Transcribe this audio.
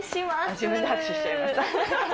自分で拍手しちゃいました。